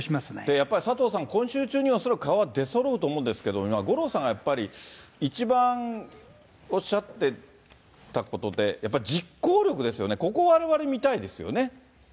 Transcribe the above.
やっぱり佐藤さん、今週中には恐らく顔は出そろうと思うんですけれども、五郎さんがやっぱり一番おっしゃってたことで、やっぱり実行力ですよね、ここをわれわれ見たいですよね。